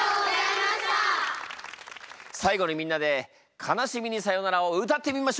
最後にみんなで「悲しみにさよなら」を歌ってみましょう！